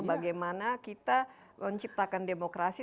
bagaimana kita menciptakan demokrasi